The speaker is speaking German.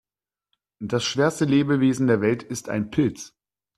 Das schwerste Lebewesen der Welt ist ein Pilz.